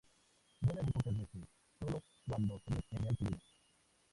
Vuelan muy pocas veces sólo cuando se ven en real peligro.